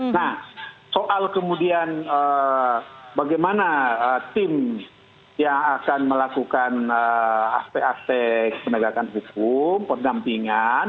nah soal kemudian bagaimana tim yang akan melakukan aspek aspek penegakan hukum pendampingan